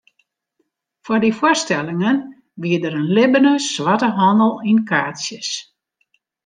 Foar dy foarstellingen wie der in libbene swarte handel yn kaartsjes.